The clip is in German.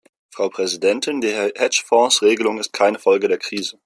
Frau Präsidentin! Die Hedgefonds-Regelung ist keine Folge der Krise.